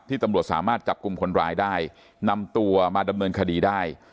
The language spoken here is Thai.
ตำรวจสามารถจับกลุ่มคนร้ายได้นำตัวมาดำเนินคดีได้